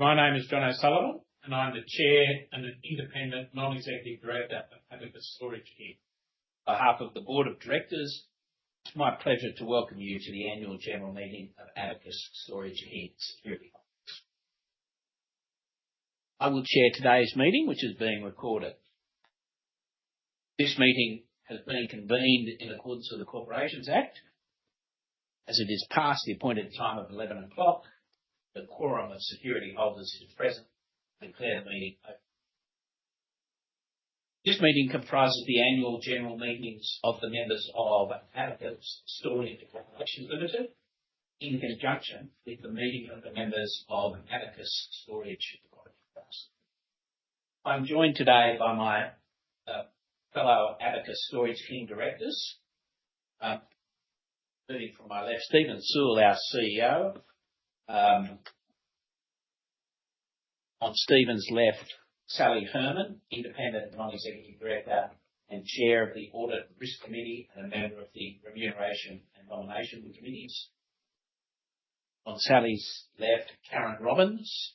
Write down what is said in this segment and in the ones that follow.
My name is John O'Sullivan, and I'm the Chair and an Independent Non-Executive Director of Abacus Storage King. On behalf of the Board of Directors, it's my pleasure to welcome you to the annual general meeting of Abacus Storage King Security. I will Chair today's meeting, which is being recorded. This meeting has been convened in accordance with the Corporations Act. As it is past the appointed time of 11:00 o'clock, the quorum of security holders is present. I declare the meeting open. This meeting comprises the annual general meetings of the members of Abacus Storage Operations Limited in conjunction with the meeting of the members of Abacus Storage King Security. I'm joined today by my fellow Abacus Storage King Directors. Starting from my left, Steven Sewell, our CEO. On Steven's left, Sally Herman, Independent Non-Executive Director and Chair of the Audit and Risk Committee and a member of the Remuneration and Nomination Committees. On Sally's left, Karen Robbins,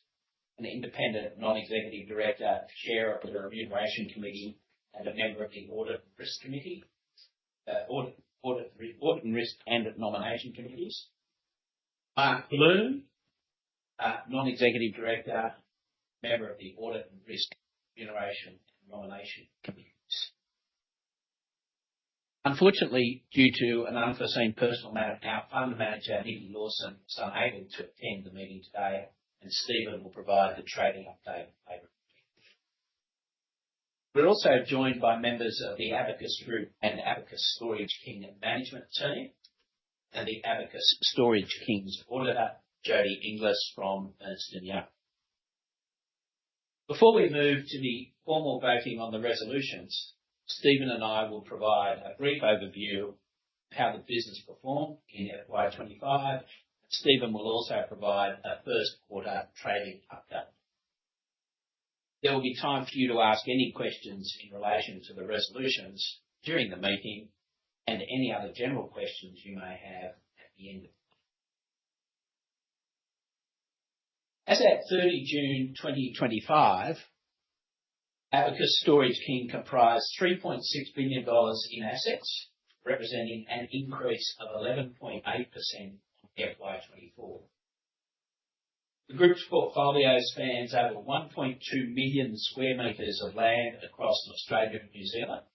an Independent Non-Executive Director, Chair of the Remuneration Committee, and a member of the Audit and Risk Committee. Audit and Risk, and the Nomination Committees. Mark Bloom, Non-Executive Director, member of the Audit and Risk, Remuneration, and Nomination Committees. Unfortunately, due to an unforeseen personal matter, our Fund Manager, Nikki Lawson, is unable to attend the meeting today, and Steven will provide the trading update in her place. We're also joined by members of the Abacus Group and Abacus Storage King management team and the Abacus Storage King's auditor, Jodie Inglis from Ernst & Young. Before we move to the formal voting on the resolutions, Steven and I will provide a brief overview of how the business performed in FY 2025. Steven will also provide a first-quarter trading update. There will be time for you to ask any questions in relation to the resolutions during the meeting and any other general questions you may have at the end. As at 30 June 2025, Abacus Storage King comprised 3.6 billion dollars in assets, representing an increase of 11.8% on FY 2024. The group's portfolio spans over 1.2 million sq m of land across Australia and New Zealand,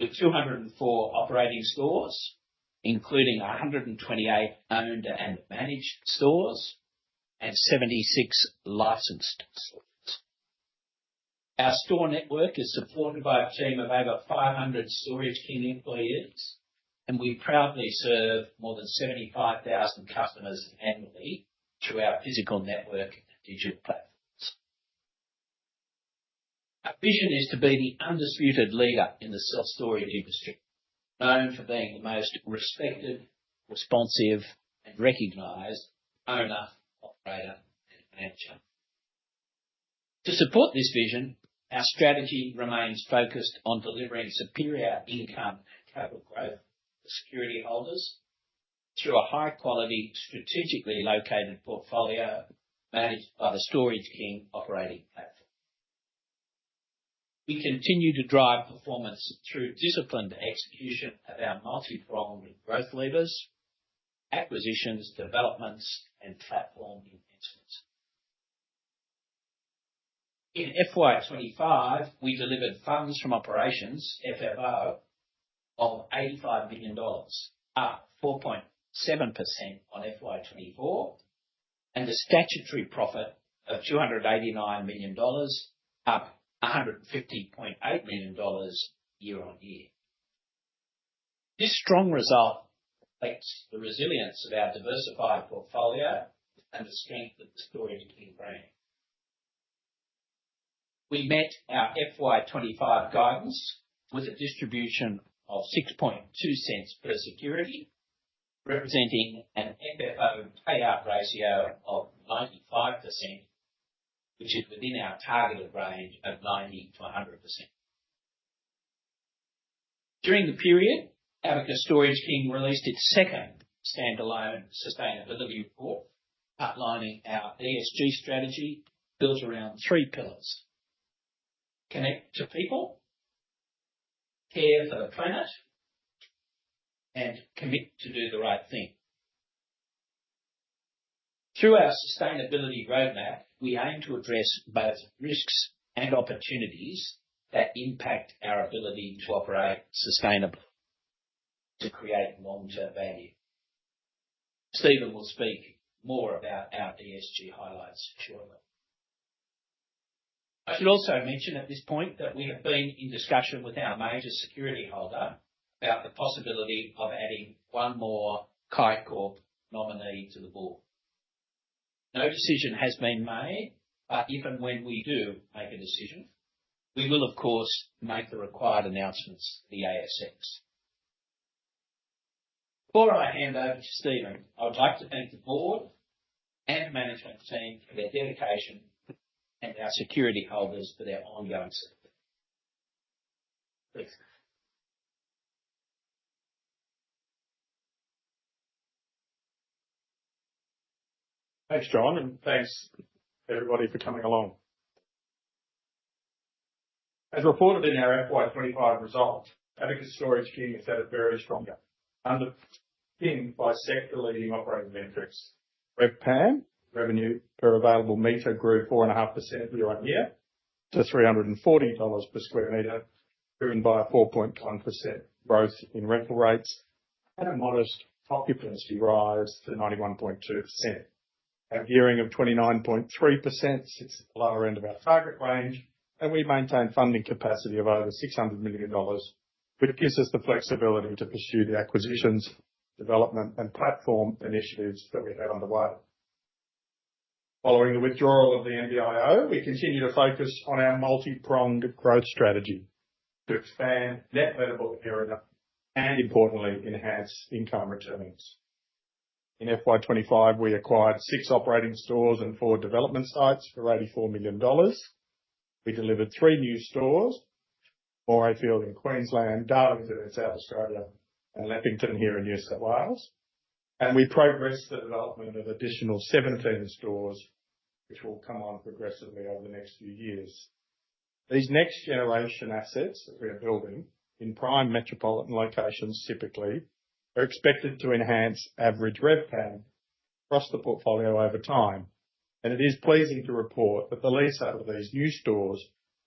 with 204 operating stores, including 128 owned and managed stores and 76 licensed stores. Our store network is supported by a team of over 500 Storage King employees, and we proudly serve more than 75,000 customers annually through our physical network and digital platforms. Our vision is to be the undisputed leader in the self-storage industry, known for being the most respected, responsive, and recognized owner, operator, and manager. To support this vision, our strategy remains focused on delivering superior income and capital growth for security holders through a high-quality, strategically located portfolio managed by the Storage King operating platform. We continue to drive performance through disciplined execution of our multi-pronged growth levers, acquisitions, developments, and platform enhancements. In FY 2025, we delivered funds from operations, FFO, of 85 million dollars, up 4.7% on FY 2024, and a statutory profit of 289 million dollars, up 150.8 million dollars year-on-year. This strong result reflects the resilience of our diversified portfolio and the strength of the Storage King brand. We met our FY 2025 guidance with a distribution of 0.062 per security, representing an FFO payout ratio of 95%, which is within our targeted range of 90%-100%. During the period, Abacus Storage King released its second standalone sustainability report, outlining our ESG strategy built around three pillars: connect to people, care for the planet, and commit to do the right thing. Through our sustainability roadmap, we aim to address both risks and opportunities that impact our ability to operate sustainably to create long-term value. Steven will speak more about our ESG highlights shortly. I should also mention at this point that we have been in discussion with our major security holder about the possibility of adding one more Ki Corp nominee to the board. No decision has been made. If and when we do make a decision, we will, of course, make the required announcements to the ASX. Before I hand over to Steven, I'd like to thank the board and management team for their dedication and our security holders for their ongoing support. Steven. Thanks, John, and thanks everybody for coming along. As reported in our FY 2025 results, Abacus Storage King has had a very strong year, underpinned by sector-leading operating metrics. RevPAM, revenue per available meter, grew 4.5% year-on-year to 340 dollars per square meter, driven by a 4.1% growth in rental rates and a modest occupancy rise to 91.2%. Our gearing of 29.3% sits at the lower end of our target range, and we maintain funding capacity of over 600 million dollars, which gives us the flexibility to pursue the acquisitions, development, and platform initiatives that we have underway. Following the withdrawal of the NBIO, we continue to focus on our multi-pronged growth strategy to expand net rentable area and importantly, enhance income returns. In FY 2025, we acquired six operating stores and four development sites for 84 million dollars. We delivered three new stores, Morayfield in Queensland, Darlington in South Australia, and Lavington here in New South Wales. We progressed the development of additional 17 stores, which will come on progressively over the next few years. These next-generation assets that we are building in prime metropolitan locations typically, are expected to enhance average RevPAM across the portfolio over time. It is pleasing to report that the lease out of these new stores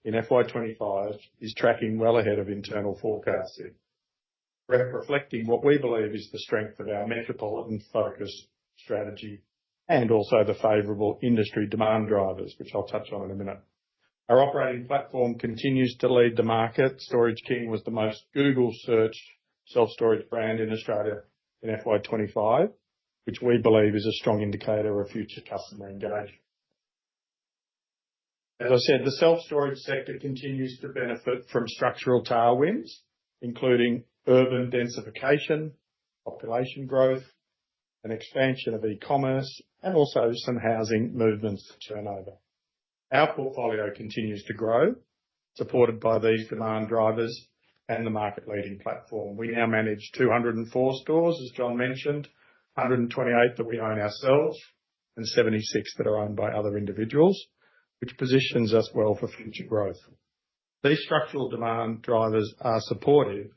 in FY 2025 is tracking well ahead of internal forecasting, reflecting what we believe is the strength of our metropolitan-focused strategy and also the favorable industry demand drivers, which I'll touch on in a minute. Our operating platform continues to lead the market. Storage King was the most Google-searched self-storage brand in Australia in FY 2025, which we believe is a strong indicator of future customer engagement. As I said, the self-storage sector continues to benefit from structural tailwinds, including urban densification, population growth, and expansion of e-commerce, and also some housing movements and turnover. Our portfolio continues to grow, supported by these demand drivers and the market-leading platform. We now manage 204 stores, as John mentioned, 128 that we own ourselves and 76 that are owned by other individuals, which positions us well for future growth. These structural demand drivers are supportive.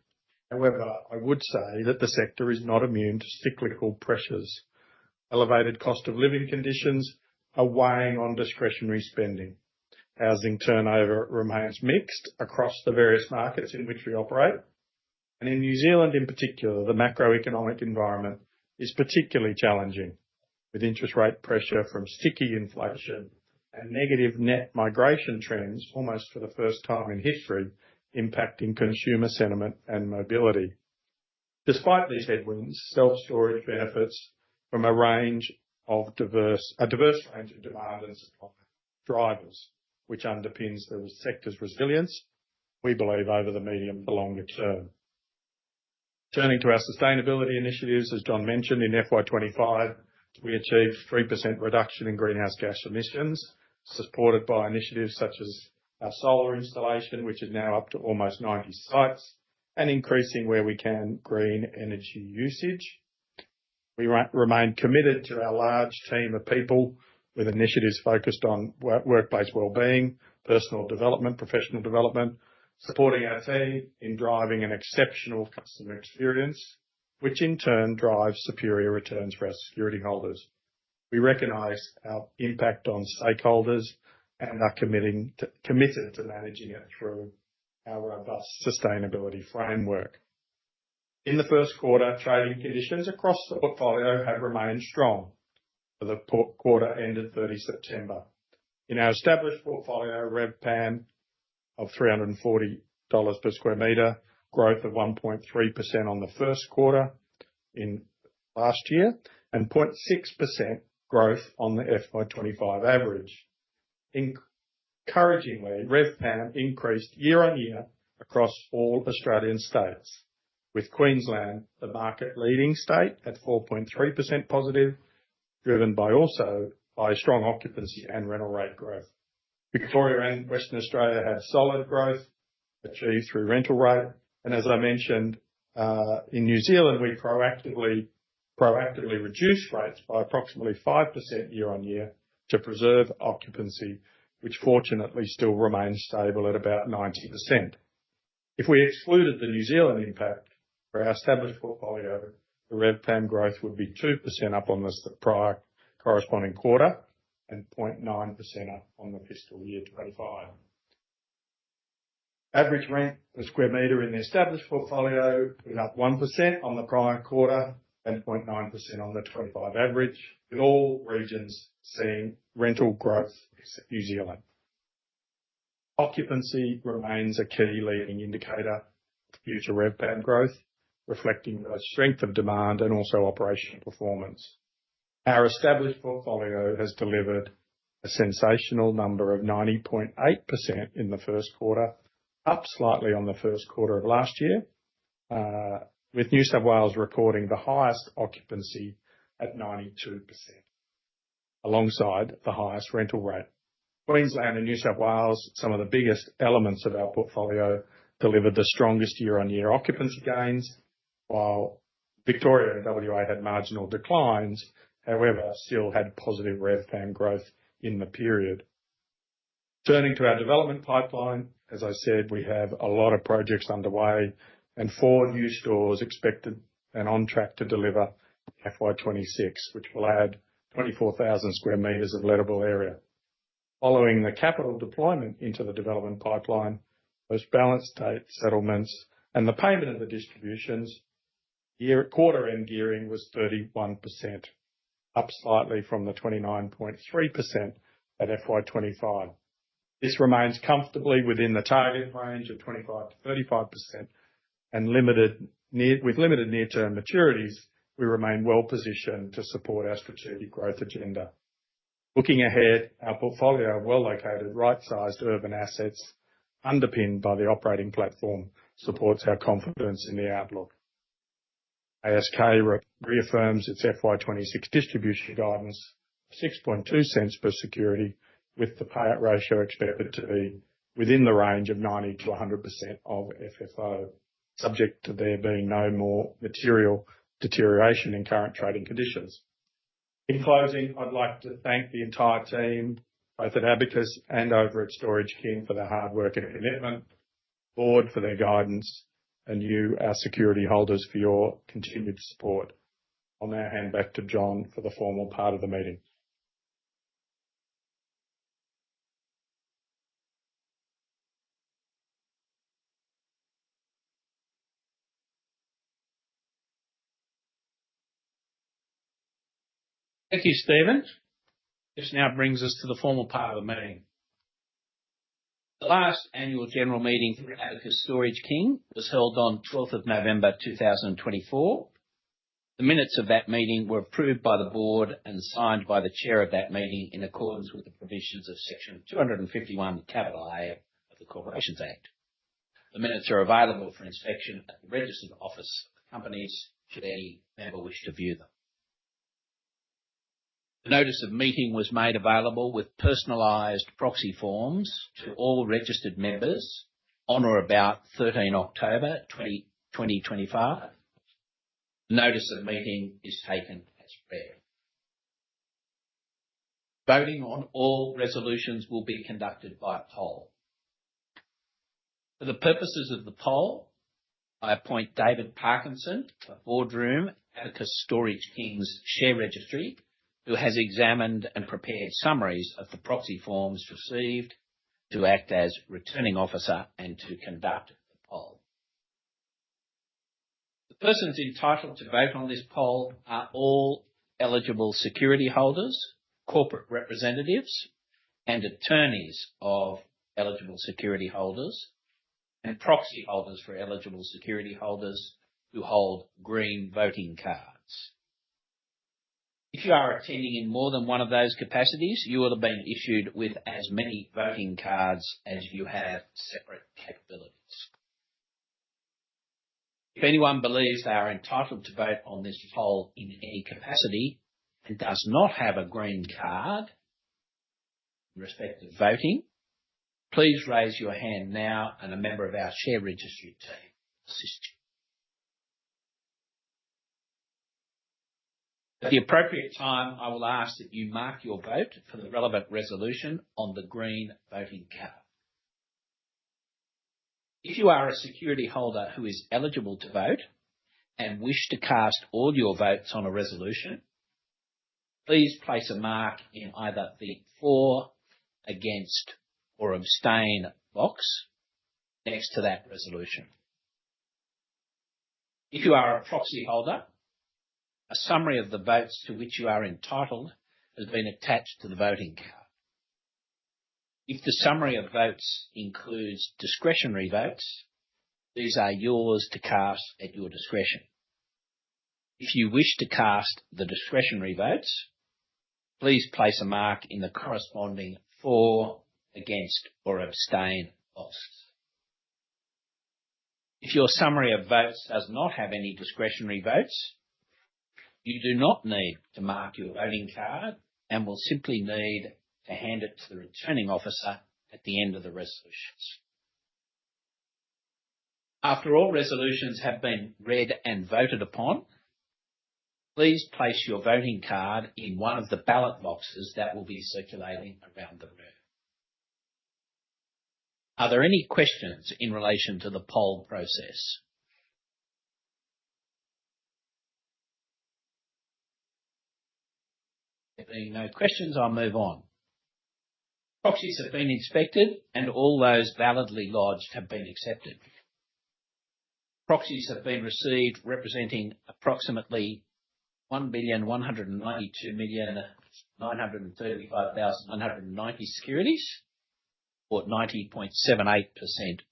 However, I would say that the sector is not immune to cyclical pressures. Elevated cost of living conditions are weighing on discretionary spending. Housing turnover remains mixed across the various markets in which we operate. In New Zealand in particular, the macroeconomic environment is particularly challenging, with interest rate pressure from sticky inflation and negative net migration trends almost for the first time in history, impacting consumer sentiment and mobility. Despite these headwinds, self-storage benefits from a diverse range of demand drivers, which underpins the sector's resilience, we believe over the medium to longer term. Turning to our sustainability initiatives, as John mentioned, in FY 2025, we achieved 3% reduction in greenhouse gas emissions, supported by initiatives such as our solar installation, which is now up to almost 90 sites and increasing where we can green energy usage. We remain committed to our large team of people with initiatives focused on workplace well-being, personal development, professional development, supporting our team in driving an exceptional customer experience, which in turn drives superior returns for our security holders. We recognize our impact on stakeholders and are committed to managing it through our robust sustainability framework. In the first quarter, trading conditions across the portfolio have remained strong for the quarter ending 30 September. In our established portfolio, RevPAM of 340 dollars per square meter, growth of 1.3% on the first quarter in last year and 0.6% growth on the FY 2025 average. Encouragingly, RevPAM increased year-on-year across all Australian states, with Queensland the market-leading state at 4.3% positive, driven also by strong occupancy and rental rate growth. Victoria and Western Australia had solid growth achieved through rental rate. As I mentioned, in New Zealand, we proactively reduced rates by approximately 5% year-on-year to preserve occupancy, which fortunately still remains stable at about 90%. If we excluded the New Zealand impact for our established portfolio, the RevPAM growth would be 2% up on the prior corresponding quarter and 0.9% up on the fiscal year 2025. Average rent per square meter in the established portfolio is up 1% on the prior quarter and 0.9% on the 25 average, with all regions seeing rental growth except New Zealand. Occupancy remains a key leading indicator of future RevPAM growth, reflecting both strength of demand and also operational performance. Our established portfolio has delivered a sensational number of 90.8% in the first quarter, up slightly on the first quarter of last year, with New South Wales recording the highest occupancy at 92% alongside the highest rental rate. Queensland and New South Wales, some of the biggest elements of our portfolio, delivered the strongest year-on-year occupancy gains while Victoria and WA had marginal declines, however, still had positive RevPAM growth in the period. Turning to our development pipeline, as I said, we have a lot of projects underway and four new stores expected and on track to deliver FY 2026, which will add 24,000 sq m of lettable area. Following the capital deployment into the development pipeline, those balance date settlements and the payment of the distributions, year quarter-end gearing was 31%, up slightly from the 29.3% at FY 2025. This remains comfortably within the target range of 25%-35% and with limited near-term maturities, we remain well-positioned to support our strategic growth agenda. Looking ahead, our portfolio of well-located, right-sized urban assets underpinned by the operating platform supports our confidence in the outlook. ASK reaffirms its FY 2026 distribution guidance of AUD 0.062 per security, with the payout ratio expected to be within the range of 90%-100% of FFO, subject to there being no more material deterioration in current trading conditions. In closing, I'd like to thank the entire team, both at Abacus and over at Storage King for their hard work and commitment, board for their guidance, and you, our security holders, for your continued support. I'll now hand back to John for the formal part of the meeting. Thank you, Steven. This now brings us to the formal part of the meeting. The last annual general meeting for Abacus Storage King was held on the 12th of November 2024. The minutes of that meeting were approved by the board and signed by the Chair of that meeting in accordance with the provisions of Section 251K of the Corporations Act. The minutes are available for inspection at the registered office of the companies today if you ever wish to view them. The notice of meeting was made available with personalized proxy forms to all registered members on or about 13 October 2025. The notice of meeting is taken as read. Voting on all resolutions will be conducted by poll. For the purposes of the poll, I appoint David Parkinson to Boardroom, Abacus Storage King's share registry, who has examined and prepared summaries of the proxy forms received to act as returning officer and to conduct the poll. The persons entitled to vote on this poll are all eligible security holders, corporate representatives, and attorneys of eligible security holders, and proxy holders for eligible security holders who hold green voting cards. If you are attending in more than one of those capacities, you would have been issued with as many voting cards as you have separate capacities. If anyone believes they are entitled to vote on this poll in any capacity and does not have a green card in respect of voting, please raise your hand now and a member of our share registry team will assist you. At the appropriate time, I will ask that you mark your vote for the relevant resolution on the green voting card. If you are a security holder who is eligible to vote and wish to cast all your votes on a resolution, please place a mark in either the for, against, or abstain box next to that resolution. If you are a proxy holder, a summary of the votes to which you are entitled has been attached to the voting card. If the summary of votes includes discretionary votes, these are yours to cast at your discretion. If you wish to cast the discretionary votes, please place a mark in the corresponding for, against, or abstain box. If your summary of votes does not have any discretionary votes, you do not need to mark your voting card and will simply need to hand it to the returning officer at the end of the resolutions. After all resolutions have been read and voted upon, please place your voting card in one of the ballot boxes that will be circulating around the room. Are there any questions in relation to the poll process? There being no questions, I'll move on. Proxies have been inspected, and all those validly lodged have been accepted. Proxies have been received representing approximately 1,192,935,190 securities or 90.78%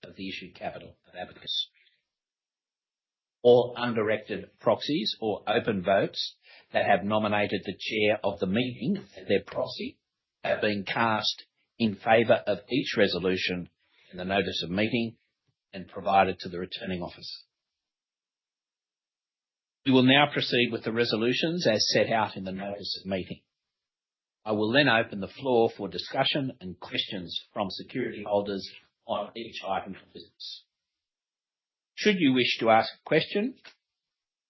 of the issued capital of Abacus. All undirected proxies or open votes that have nominated the Chair of the meeting as their proxy have been cast in favor of each resolution in the notice of meeting and provided to the returning officer. We will now proceed with the resolutions as set out in the notice of meeting. I will open the floor for discussion and questions from security holders on each item of business. Should you wish to ask a question,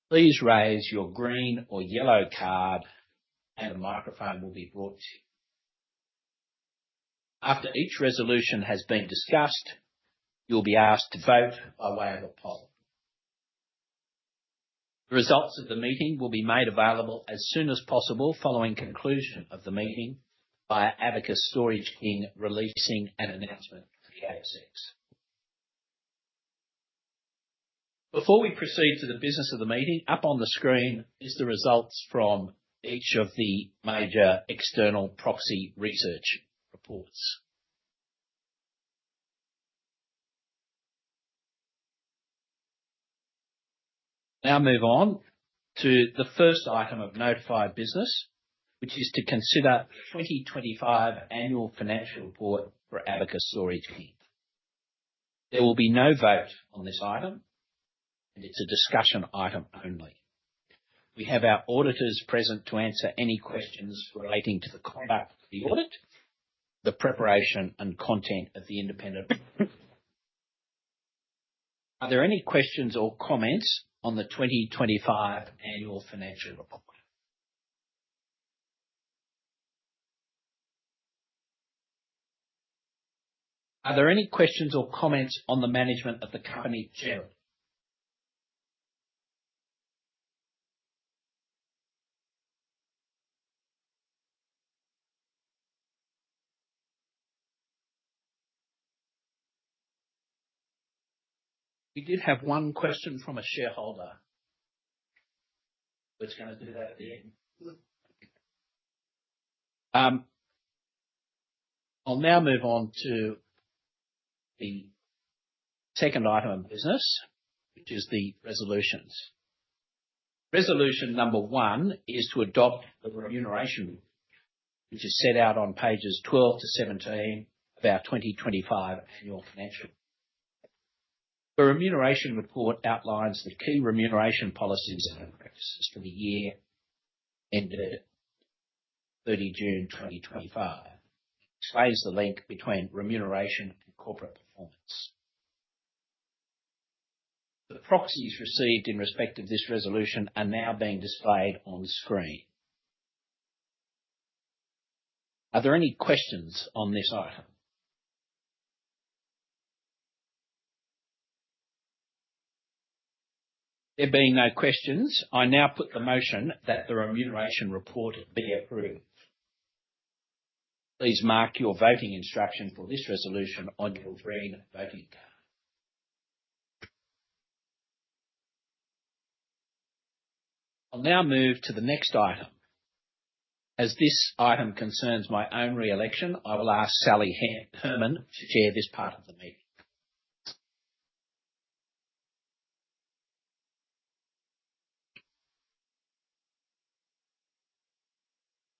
please raise your green or yellow card, and a microphone will be brought to you. After each resolution has been discussed, you'll be asked to vote by way of a poll. The results of the meeting will be made available as soon as possible following conclusion of the meeting by Abacus Storage King releasing an announcement to the ASX. Before we proceed to the business of the meeting, up on the screen is the results from each of the major external proxy research reports. Now move on to the first item of notified business, which is to consider the 2025 annual financial report for Abacus Storage King. There will be no vote on this item, and it's a discussion item only. We have our auditors present to answer any questions relating to the conduct of the audit, the preparation, and content of the independent report. Are there any questions or comments on the 2025 annual financial report? Are there any questions or comments on the management of the company? Zero. We did have one question from a shareholder. I'm just going to do that at the end. I'll now move on to the second item of business, which is the resolutions. Resolution 1 is to adopt the remuneration, which is set out on pages 12-17 of our 2025 annual financial report. The remuneration report outlines the key remuneration policies and practices for the year ending 30 June 2025. It displays the link between remuneration and corporate performance. The proxies received in respect of this resolution are now being displayed on the screen. Are there any questions on this item? There being no questions, I now put the motion that the remuneration report be approved. Please mark your voting instruction for this resolution on your green voting card. I'll now move to the next item. As this item concerns my own re-election, I'll ask Sally Herman to chair this part of the meeting.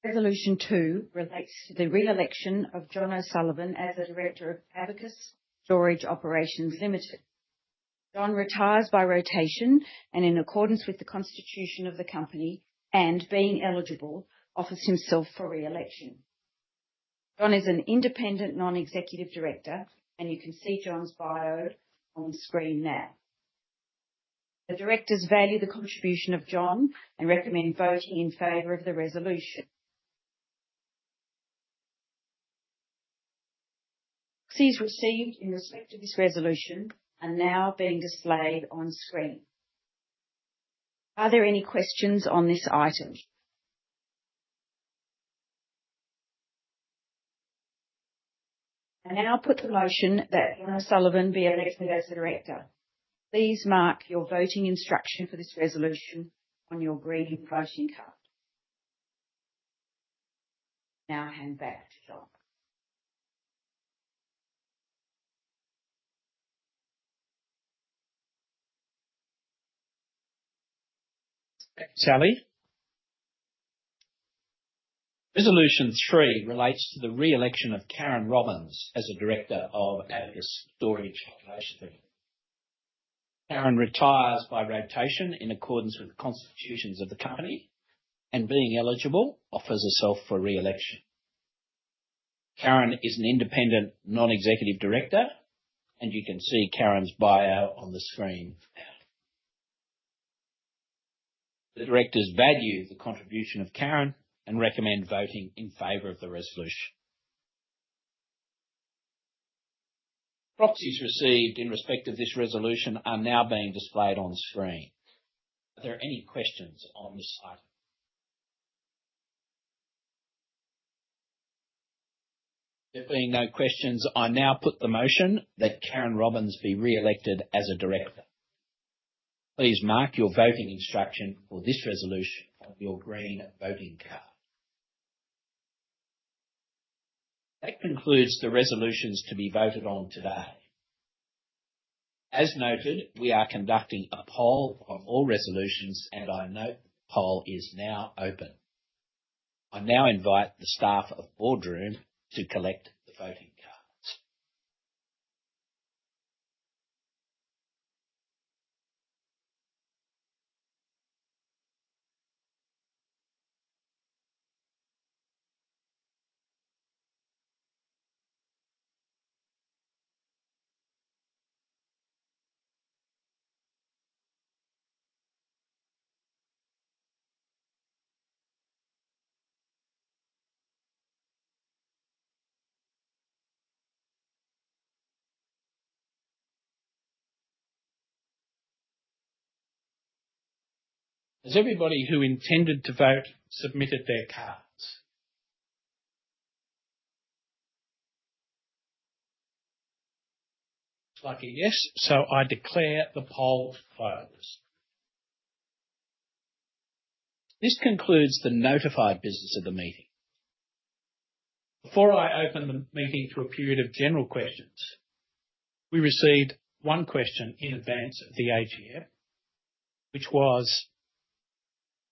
Resolution 2 relates to the re-election of John O'Sullivan as a Director of Abacus Storage Operations Limited. John retires by rotation, and in accordance with the constitution of the company, and being eligible, offers himself for re-election. John is an independent non-executive director, and you can see John's bio on screen now. The directors value the contribution of John and recommend voting in favor of the resolution. Proxies received in respect of this resolution are now being displayed on screen. Are there any questions on this item? I now put the motion that John O'Sullivan be elected as a director. Please mark your voting instruction for this resolution on your green proxy card. Now I hand back to John. Sally. Resolution 3 relates to the re-election of Karen Robbins as a director of Abacus Storage Operations Limited. Karen retires by rotation in accordance with the constitutions of the company, and being eligible, offers herself for re-election. Karen is an independent non-executive director, and you can see Karen's bio on the screen now. The directors value the contribution of Karen and recommend voting in favor of the resolution. Proxies received in respect of this resolution are now being displayed on screen. Are there any questions on this item? There being no questions, I now put the motion that Karen Robbins be re-elected as a director. Please mark your voting instruction for this resolution on your green voting card. That concludes the resolutions to be voted on today. As noted, we are conducting a poll on all resolutions, and I note the poll is now open. I now invite the staff of Boardroom to collect the voting cards Has everybody who intended to vote submitted their cards? Looks like a yes. I declare the poll closed. This concludes the notified business of the meeting. Before I open the meeting for a period of general questions, we received one question in advance at the AGM, which was,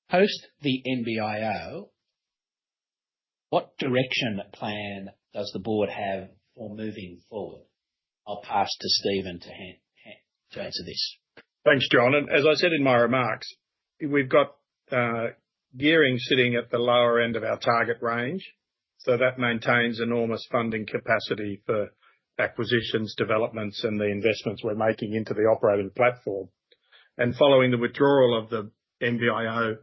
"Post the NBIO, what direction plan does the board have for moving forward?" I'll pass to Steven to answer this. Thanks, John. As I said in my remarks, we've got gearing sitting at the lower end of our target range, so that maintains enormous funding capacity for acquisitions, developments, and the investments we're making into the operating platform. Following the withdrawal of the NBIO,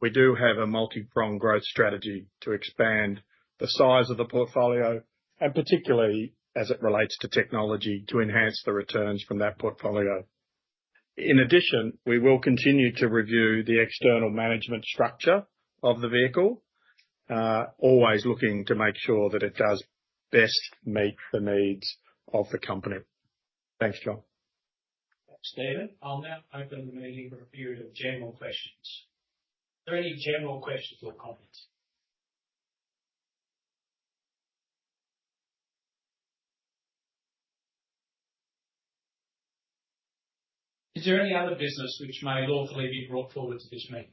we do have a multi-pronged growth strategy to expand the size of the portfolio, and particularly as it relates to technology, to enhance the returns from that portfolio. In addition, we will continue to review the external management structure of the vehicle, always looking to make sure that it does best meet the needs of the company. Thanks, John. Thanks, Steven. I'll now open the meeting for a period of general questions. Any general questions or comments? Is there any other business which may lawfully be brought forward to this meeting?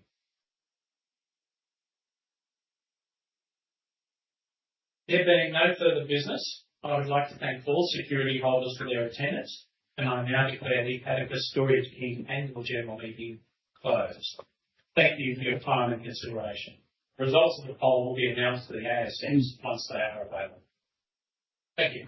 There being no further business, I would like to thank all security holders for their attendance, and I now declare the Abacus Storage King annual general meeting closed. Thank you for your time and consideration. The results of the poll will be announced to the ASX once they are available. Thank you.